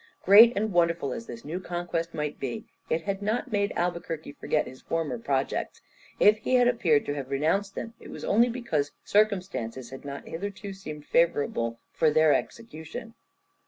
Great and wonderful as this new conquest might be, it had not made Albuquerque forget his former projects. If he had appeared to have renounced them, it was only because circumstances had not hitherto seemed favourable for their execution.